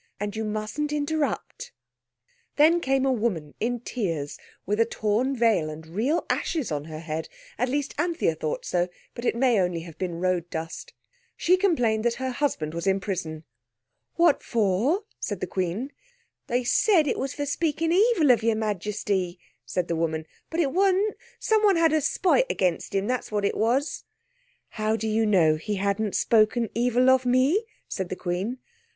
And you mustn't interrupt." Then came a woman, in tears, with a torn veil and real ashes on her head—at least Anthea thought so, but it may have been only road dust. She complained that her husband was in prison. "What for?" said the Queen. "They said it was for speaking evil of your Majesty," said the woman, "but it wasn't. Someone had a spite against him. That was what it was." "How do you know he hadn't spoken evil of me?" said the Queen.